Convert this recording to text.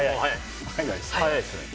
早いですね。